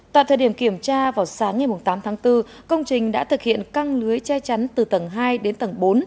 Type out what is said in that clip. tại thời điểm kiểm tra vào sáng ngày tám tháng bốn công trình đã thực hiện căng lưới che chắn từ tầng hai đến tầng bốn